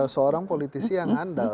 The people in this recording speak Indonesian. seorang politisi yang andal